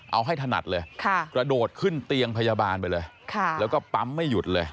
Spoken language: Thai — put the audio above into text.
เอาให้ถนัดเลยกระโดดขึ้นเตียงพยาบาลไปเลยแล้วก็ปั๊มไม่หยุดเลย